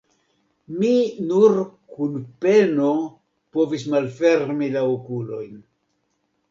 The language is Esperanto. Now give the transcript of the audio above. Mi nur kun peno povis malfermi la okulojn.